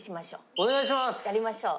お願いします。